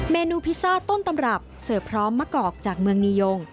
นูพิซซ่าต้นตำรับเสิร์ฟพร้อมมะกอกจากเมืองนียง